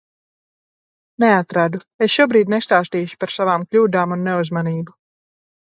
Neatradu. Es šobrīd nestāstīšu par savām kļūdām un neuzmanību.